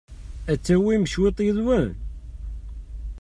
Ad tawim cwiṭ yid-wen?